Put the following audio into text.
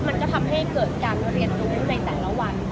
มันก็ทำให้เกิดการเรียนรู้ในแต่ละวัน